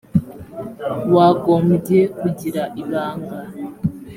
wagombye kugira ibanga .